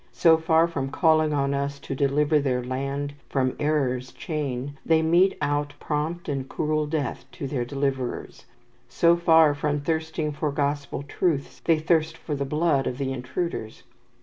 So far from calling on us to deliver their land "from error's chain," they mete out prompt and cruel death to their deliverers. So far from thirsting for Gospel truths, they thirst for the blood of the intruders.